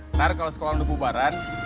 benar kalau sekolah udah bubaran